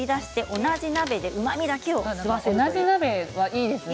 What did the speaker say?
同じ鍋はいいですね。